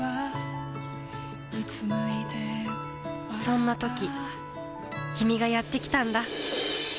そんなときキミがやってきたんだ